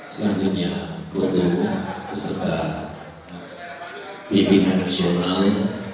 selanjutnya foto beserta pimpinan nasional